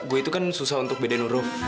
gue itu kan susah untuk bedain huruf